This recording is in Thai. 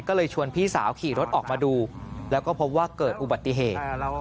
ก็เลยชวนพี่สาวขี่รถออกมาดูแล้วก็พบว่าเกิดอุบัติเหตุ